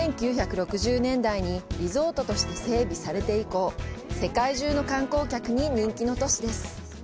１９６０年代にリゾートとして整備されて以降、世界中の観光客に人気の都市です。